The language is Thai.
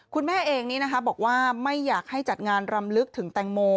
คุณแม่เองนี้นะคะบอกว่าไม่อยากให้จัดงานรำลึกถึงแตงโม